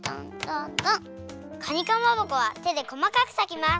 かにかまぼこはてでこまかくさきます。